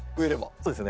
そうですね。